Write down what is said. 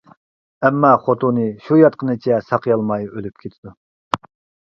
ئەمما، خوتۇنى شۇ ياتقىنىچە ساقىيالماي ئۆلۈپ كېتىدۇ.